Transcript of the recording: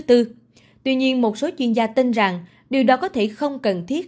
tuy nhiên một số chuyên gia tin rằng điều đó có thể không cần thiết